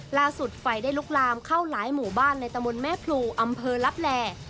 ไฟได้ลุกลามเข้าหลายหมู่บ้านในตะมนต์แม่พลูอำเภอลับแหล่